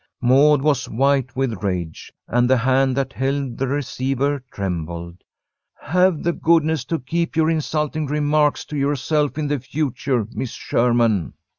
Maud was white with rage, and the hand that held the receiver trembled. "Have the goodness to keep your insulting remarks to yourself in the future, Miss Sherman."